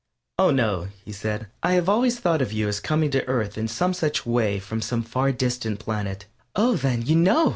"Oh, no," he said; "I have always thought of you as coming to Earth in some such way from some far distant planet." "Oh, then, you know!"